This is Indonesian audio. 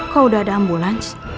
kau udah ada ambulans